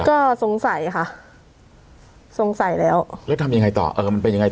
ก็สงสัยค่ะสงสัยแล้วแล้วทำยังไงต่อเออมันเป็นยังไงต่อ